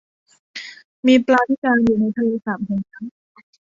มีปลาพิการอยู่ในทะเลสาปแห่งนั้น